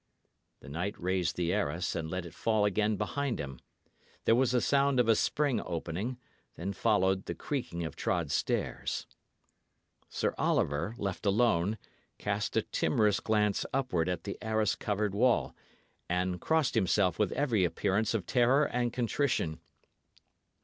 The knight raised the arras and let it fall again behind him. There was the sound of a spring opening; then followed the creaking of trod stairs. Sir Oliver, left alone, cast a timorous glance upward at the arras covered wall, and crossed himself with every appearance of terror and contrition.